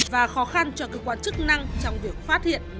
và khó khăn cho cơ quan chức năng trong việc phát hiện